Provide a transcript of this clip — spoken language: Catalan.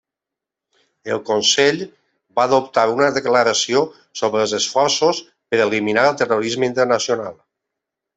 El Consell va adoptar una declaració sobre els esforços per eliminar el terrorisme internacional.